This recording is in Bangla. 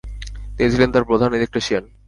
তিনি ছিলেন তার প্রধান ইলেক্ট্রিশিয়ান।